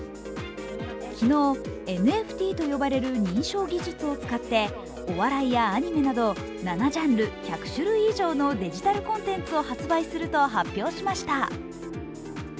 昨日、ＮＦＴと呼ばれる認証技術を使ってお笑いやアニメなど７ジャンル、１００種類以上のデジタルコンテンツを発売すると発表しました。